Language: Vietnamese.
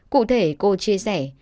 cụ thể cô chia sẻ